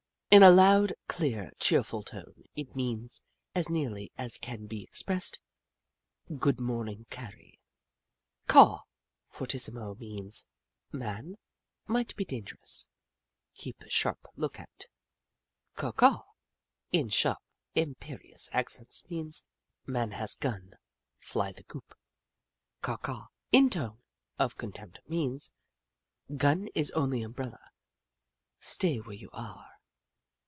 In a loud, clear, cheerful tone, it means, as nearly as can be expressed :" Good morning, Carrie." I20 The Book of Clever Beasts Caw — Fortissimo, means :" Man. Might be dangerous. Keep sharp lookout." Caw Caw — In sharp, imperious accents, means :" Man has gun. Fly the coop." Caw Caw — In a tone of contempt, means :" Gun is only umbrella. Stay where you are."